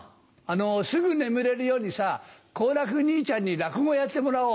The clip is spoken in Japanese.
すぐ眠れるようにさ好楽兄ちゃんに落語をやってもらう。